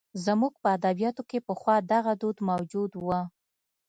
زموږ په ادبیاتو کې پخوا دغه دود موجود و.